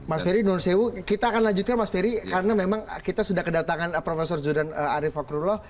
mas ferry nur sewu kita akan lanjutkan mas ferry karena memang kita sudah kedatangan prof zudan arief fakrullah